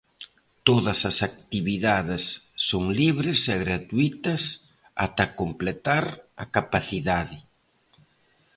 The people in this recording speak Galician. Todas as actividades son libres e gratuítas ata completar a capacidade.